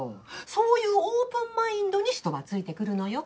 そういうオープンマインドに人はついてくるのよ。